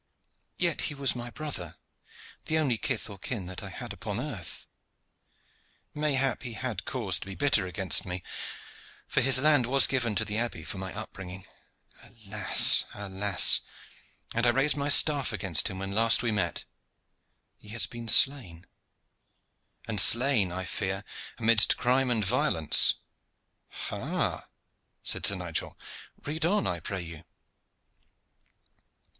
"Yet he was my brother the only kith or kin that I had upon earth. Mayhap he had cause to be bitter against me, for his land was given to the abbey for my upbringing. Alas! alas! and I raised my staff against him when last we met! He has been slain and slain, I fear, amidst crime and violence." "Ha!" said Sir Nigel. "Read on, I pray you."